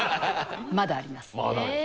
まだあります。